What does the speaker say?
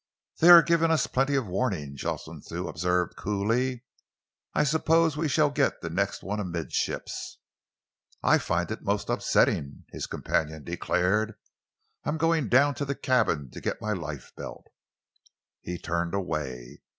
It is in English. "They are giving us plenty of warning," Jocelyn Thew observed coolly. "I suppose we shall get the next one amidships." "I find it most upsetting," his companion declared. "I am going down to the cabin to get my lifebelt." He turned away.